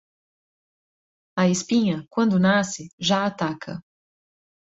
A espinha, quando nasce, já ataca.